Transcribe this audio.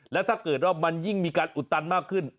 แล้วถ้าเกิดว่ามันยิ่งมีการอุดตันมากขึ้น